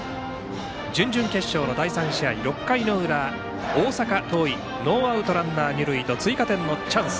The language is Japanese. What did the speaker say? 準々決勝の第３試合６回の裏、大阪桐蔭ノーアウト、ランナー、二塁と追加点のチャンス。